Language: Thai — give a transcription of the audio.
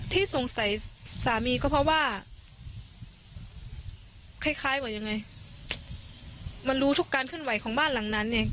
ที่สงสัยสามีก็เพราะว่าคล้ายคล้ายว่ายังไงมันรู้ทุกการเคลื่อนไหวของบ้านหลังนั้นไง